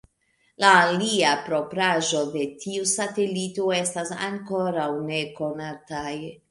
La aliaj propraĵoj de tiu satelito estas ankoraŭ nekonataj.